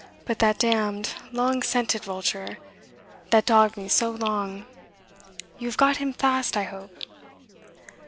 But that d d long scented vulture that dogged me so long you have got him fast, I hope?"